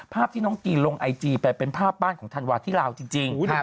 ภาพที่น้องกีนลงไอจีไปเป็นภาพบ้านของธันวาที่ลาวจริง